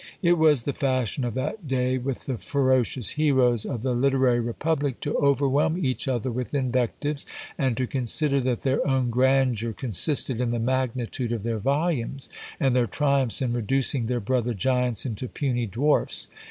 It was the fashion of that day with the ferocious heroes of the literary republic, to overwhelm each other with invectives, and to consider that their own grandeur consisted in the magnitude of their volumes; and their triumphs in reducing their brother giants into puny dwarfs.